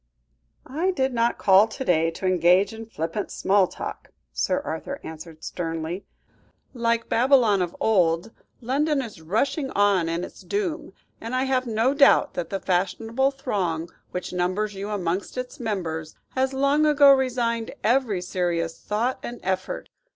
"I did not call to day to engage in flippant small talk," Sir Arthur answered sternly. "Like Babylon of old, London is rushing on its doom, and I have no doubt that the fashionable throng which numbers you amongst its members, has long ago resigned every serious thought and effort.